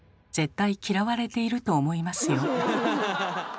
絶対嫌われていると思いますよ。